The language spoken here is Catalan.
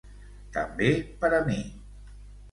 També per a mi.